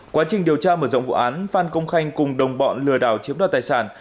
quá trình điều tra mở rộng vụ án phan công khanh cùng đồng bọn lừa đảo chiếm đoạt tài sản